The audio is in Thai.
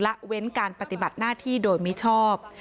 ละเว้นการปฏิบัติหน้าที่โดยมิชอบ